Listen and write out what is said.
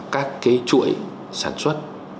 các cái chuỗi sản xuất